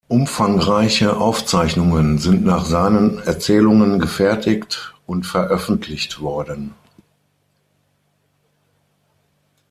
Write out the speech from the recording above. Umfangreiche Aufzeichnungen sind nach seinen Erzählungen gefertigt und veröffentlicht worden.